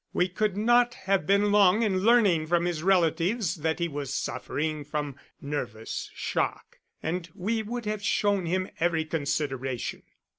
We could not have been long in learning from his relatives that he was suffering from nervous shock, and we would have shown him every consideration."